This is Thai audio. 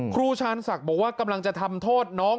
ครูชาญศักดิ์บอกว่ากำลังจะทำโทษน้อง